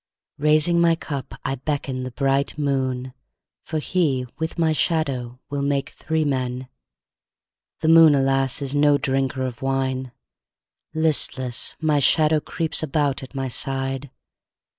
Raising my cup I beckon the bright moon, For he, with my shadow, will make three men. The moon, alas, is no drinker of wine; Listless, my shadow creeps about at my side.